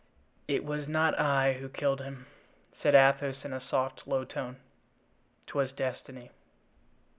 "It was not I who killed him," said Athos in a soft, low tone, "'twas destiny."